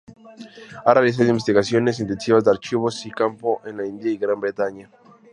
Ha realizado investigaciones intensivas, de archivos y campo, en la India y Gran Bretaña.